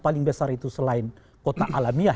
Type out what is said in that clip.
paling besar itu selain kota alamiah